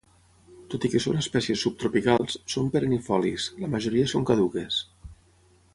Tot i que són espècies subtropicals, són perennifolis, la majoria són caduques.